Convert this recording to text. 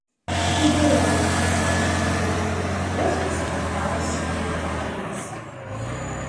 Ідэя нечаканай забаўляльнай паездкі спадабалася імператрыцы.